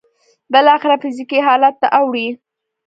بالاخره فزيکي حالت ته اوړي.